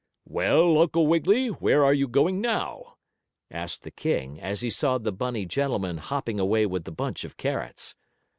"Well, Uncle Wiggily, where are you going now?" asked the King, as he saw the bunny gentleman hopping away with the bunch of carrots.